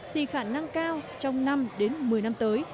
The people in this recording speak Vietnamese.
thì khả năng cao trong năm đến một mươi năm tới